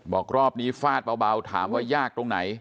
รอบนี้ฟาดเบาถามว่ายากตรงไหน